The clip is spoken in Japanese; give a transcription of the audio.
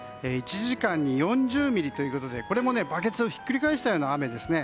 １時間に４０ミリということでこれもバケツをひっくり返したような雨ですね。